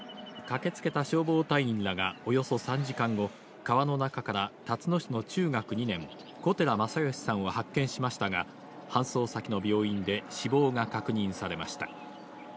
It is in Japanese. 駆けつけた消防隊員らがおよそ３時間後、川の中からたつの市の中学２年、小寺正義さんを発見しましたが、搬送先の病院で死亡が確認されました。